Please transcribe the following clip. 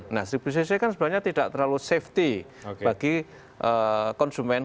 nah seribu cc kan sebenarnya tidak terlalu safety bagi konsumen